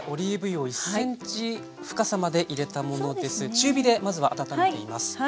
中火でまずは温めています。